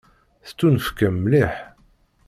Tettunefk-am mliḥ.